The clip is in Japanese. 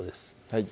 はい